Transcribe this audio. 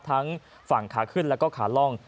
ทั้งฝั่งขาขึ้นแล้วก็ขาล่อง